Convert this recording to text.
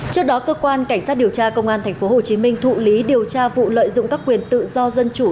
trước đó cơ quan cảnh sát điều tra công an tp hcm thụ lý điều tra vụ lợi dụng các quyền tự do dân chủ